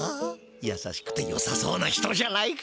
やさしくてよさそうな人じゃないか。